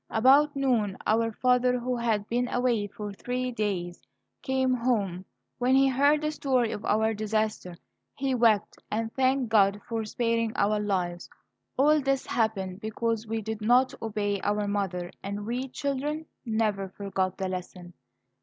About noon our father, who had been away for three days, came home. When he heard the story of our disaster, he wept, and thanked God for sparing our lives. All this happened because we did not obey our mother; and we children never forgot the lesson.